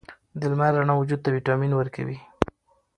د لمر رڼا وجود ته ویټامین ورکوي.